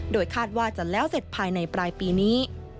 โดยคาดว่าจะแล้วเสร็จภายในปลายปีนี้